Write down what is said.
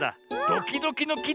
ドキドキのき？